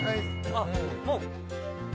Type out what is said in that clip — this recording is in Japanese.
あっもう。